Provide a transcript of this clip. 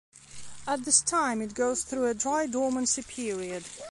At this time it goes through a dry dormancy period.